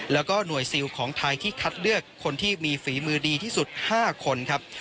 แล้วก็หน่วยซิลของไทยที่คัดเลือกคนที่มีฝีมือดีที่สุด๕คนครับ